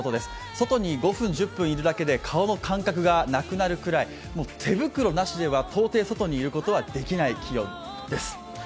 外に５分１０分いるだけで顔の感覚がなくなるくらい、手袋なしでは、到底、外にいることはできない気温です。